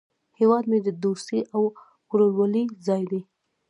هیواد مې د دوستۍ او ورورولۍ ځای دی